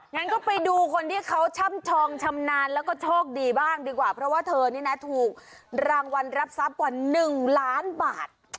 งั้นก็ไปดูคนที่เขาช่ำชองชำนาญแล้วก็โชคดีบ้างดีกว่าเพราะว่าเธอนี่นะถูกรางวัลรับทรัพย์กว่า๑ล้านบาท